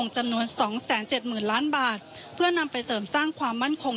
จำนวน๒๗๐๐๐ล้านบาทเพื่อนำไปเสริมสร้างความมั่นคง